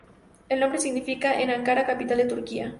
El nombre significa de Ankara, capital de Turquía.